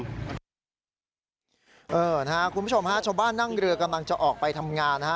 คุณผู้ชมฮะชาวบ้านนั่งเรือกำลังจะออกไปทำงานนะฮะ